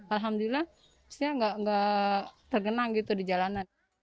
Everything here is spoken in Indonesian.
alhamdulillah saya nggak tergenang gitu di jalanan